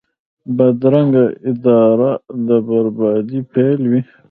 بدرنګه اراده د بربادۍ پیل وي